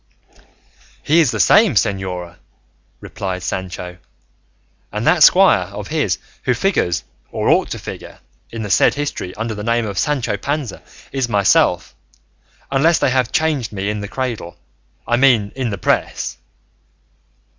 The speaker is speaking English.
"He is the same, señora," replied Sancho; "and that squire of his who figures, or ought to figure, in the said history under the name of Sancho Panza, is myself, unless they have changed me in the cradle, I mean in the press."